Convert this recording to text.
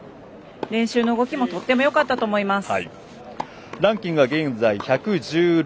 練習の動きもとてもよかったと思います。